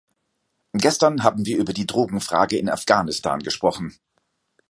Gestern haben wir über die Drogenfrage in Afghanistan gesprochen.